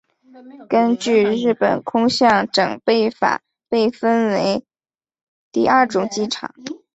根据日本空港整备法被分成第二种机场。